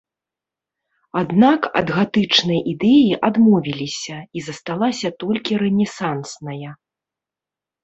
Аднак ад гатычнай ідэі адмовіліся, і засталася толькі рэнесансная.